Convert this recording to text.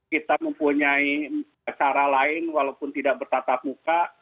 kita mempunyai cara lain walaupun tidak bertatap muka